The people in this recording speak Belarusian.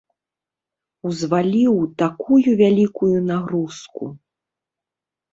Узваліў такую вялікую нагрузку.